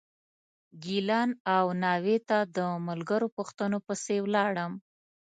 ګیلان او ناوې ته د ملګرو پوښتنو پسې ولاړم.